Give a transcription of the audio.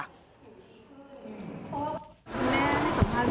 หนึ่งปุ๊บ